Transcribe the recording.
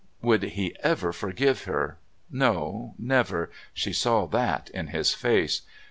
Would he ever forgive her? No, never; she saw that in his face.